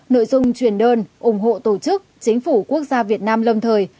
nội dung truyền đơn ủng hộ tổ chức chính phủ quốc gia việt nam lâm thời